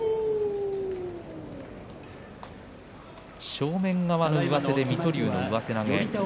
正面側の上手で水戸龍が上手投げ。